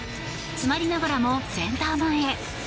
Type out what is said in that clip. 詰まりながらもセンター前へ。